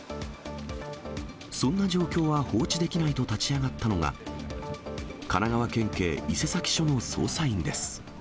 そんな状況は放置できないと立ち上がったのが、神奈川県警伊勢佐木署の捜査員です。